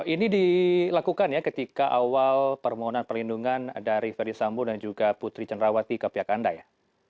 ini dilakukan ya ketika awal permohonan perlindungan dari ferdisambo dan juga putri cenrawati ke pihak anda ya